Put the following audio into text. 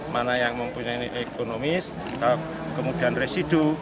mana yang mempunyai ekonomis kemudian residu